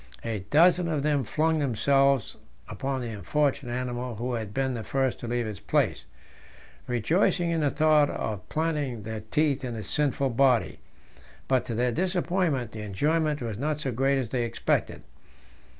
A dozen of them flung themselves upon the unfortunate animal who had been the first to leave his place, rejoicing in the thought of planting their teeth in his sinful body. But to their disappointment the enjoyment was not so great as they expected.